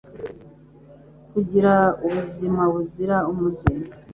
kugira ubuzima buzira umuze.